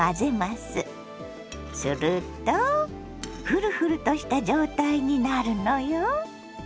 するとフルフルとした状態になるのよ！